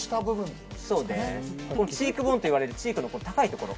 チークボーンといわれるチークの高いところ。